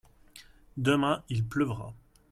demain il pleuvra.